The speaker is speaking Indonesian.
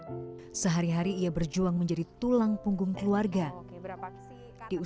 naik sehari hari ia berjuang menjadi tulang punggung keluarga tipe delapan di usir ke rumah kehidupan yang terlalu buruk